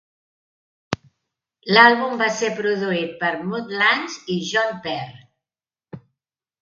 L'àlbum va ser produït per Mutt Lange i John Parr.